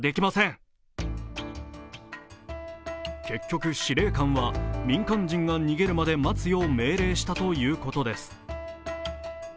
結局、司令官は民間人が逃げるまで待つよう命令したということです。